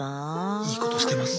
いいことしてます。